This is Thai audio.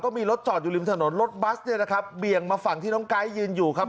มีรถจอดอยู่ริมถนนรถบัสเนี่ยนะครับเบี่ยงมาฝั่งที่น้องไก๊ยืนอยู่ครับ